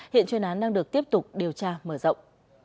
hiện chuyên án đang được tiếp tục điều tra mở rộng